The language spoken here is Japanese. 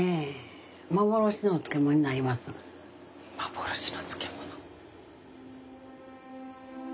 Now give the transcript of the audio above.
幻の漬物。